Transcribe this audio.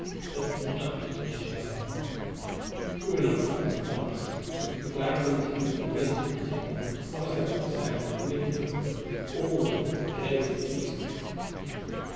But nothing showed. We were not traveling fast. With Larry and Tina at the instrument table, I was left to stand at the window. Always I gazed eastward.